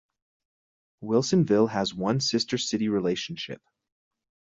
Wilsonville has one sister city relationship.